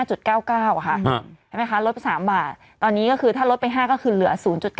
ใช่ไหมคะลดไป๓บาทตอนนี้ก็คือถ้าลดไป๕ก็คือเหลือ๐๙